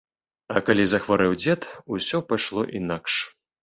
А калі захварэў дзед, усё пайшло інакш.